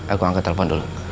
aku angkat telepon dulu